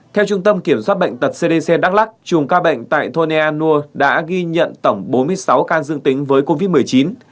theo trung tâm kiểm soát bệnh tật cdc đắk lắc trùng ca bệnh tại thôn ea nu đã ghi nhận tổng bốn mươi sáu can dương tính với covid một mươi chín